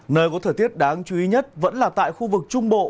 nơi có thời tiết đáng chú ý nhất vẫn là tại khu vực trung bộ